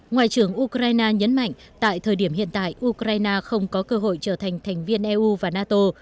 ngoại trưởng ukraine nhấn mạnh tại thời điểm hiện tại ukraine không có cơ hội trở thành thành viên eu và nato